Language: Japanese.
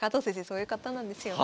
そういう方なんですよ。